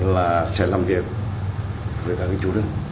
và sẽ làm việc với các vị chủ đơn